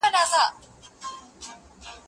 زه اجازه لرم چي پلان جوړ کړم